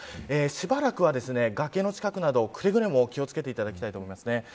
しばらくは、崖の近くなどくれぐれも気を付けていただきたいと思います。